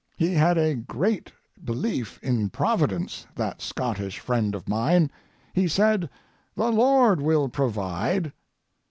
He had a great belief in Providence, that Scottish friend of mine. He said: "The Lord will provide."